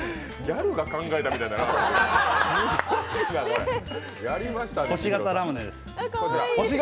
ギャルが考えたみたいになってる。